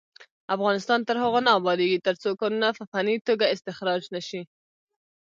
افغانستان تر هغو نه ابادیږي، ترڅو کانونه په فني توګه استخراج نشي.